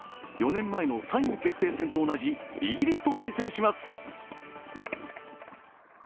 ４年前の３位決定戦と同じイギリスと対戦します。